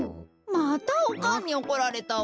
またおかんにおこられたわ。